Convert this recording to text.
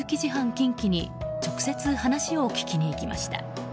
近畿に直接話を聞きに行きました。